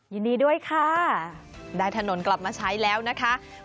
ยินดีด้วยค่ะได้ถนนกลับมาใช้แล้วนะคะ